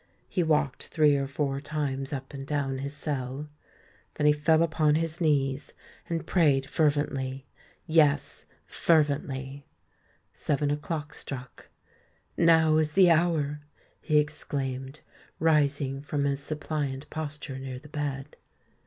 He walked three or four times up and down his cell. Then he fell upon his knees, and prayed fervently. Yes—fervently! Seven o'clock struck. "Now is the hour!" he exclaimed, rising from his suppliant posture near the bed.